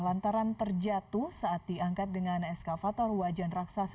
lantaran terjatuh saat diangkat dengan eskavator wajan raksasa